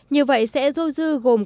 như vậy sẽ rôi dư gồm